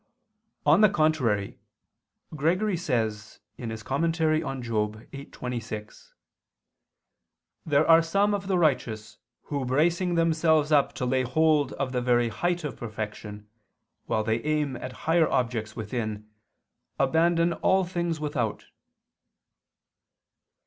On the contrary, Gregory says (Moral. viii, 26): "There are some of the righteous who bracing themselves up to lay hold of the very height of perfection, while they aim at higher objects within, abandon all things without."